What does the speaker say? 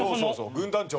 軍団長。